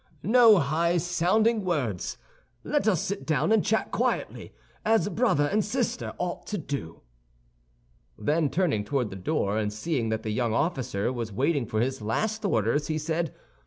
"No high sounding words! Let us sit down and chat quietly, as brother and sister ought to do." Then, turning toward the door, and seeing that the young officer was waiting for his last orders, he said.